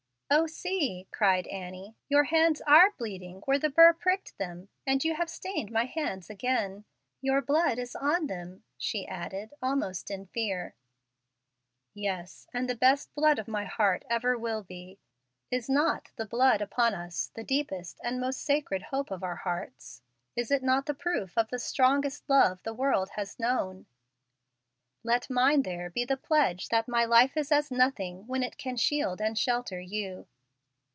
"O, see!" cried Annie, "your hands are bleeding where the burr pricked them, and you have stained my hands again. Your blood is on them," she added, almost in fear. "Yes, and the best blood of my heart ever will be. Is not the 'blood upon us' the deepest and most sacred hope of our hearts? Is it not the proof of the strongest love the world has known? Let mine there be the pledge that my life is as nothing when it can shield and shelter you."